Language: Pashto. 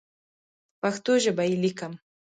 په پښتو ژبه یې لیکم.